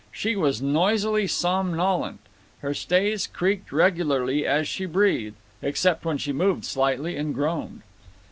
She was noisily somnolent; her stays creaked regularly as she breathed, except when she moved slightly and groaned.